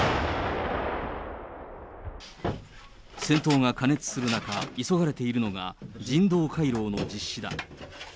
戦闘が過熱する中、急がれているのが、人道回廊の実施だ。